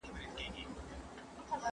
بيا يې كش يو ځل تر لاس بيا تر سږمه كړ